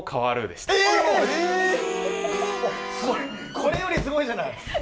これよりすごいじゃない。